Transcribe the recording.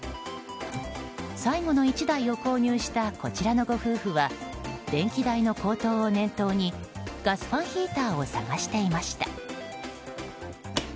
最後の１台を購入したこちらのご夫婦は電気代の高騰を念頭にガスファンヒーターを探していました。